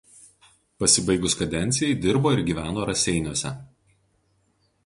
Pasibaigus kadencijai dirbo ir gyveno Raseiniuose.